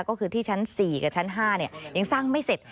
ก็คือที่ชั้น๔กับชั้น๕ยังสร้างไม่เสร็จ